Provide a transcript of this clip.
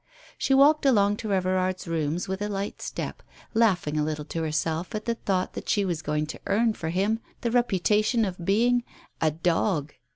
She walked along to Everard's rooms with a light step, laughing a little to herself at the thought that she was going to earn for him the reputation of being "a dog."